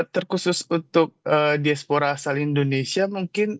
terkhusus untuk diaspora asal indonesia mungkin